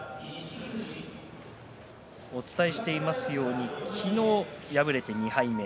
お伝えしていますように昨日敗れて２敗目。